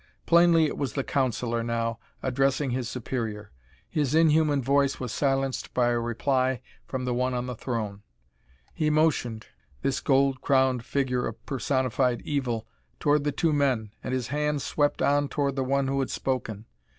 Plainly it was the councilor now, addressing his superior. His inhuman voice was silenced by a reply from the one on the throne. He motioned this gold crowned figure of personified evil toward the two men, and his hand swept on toward the one who had spoken.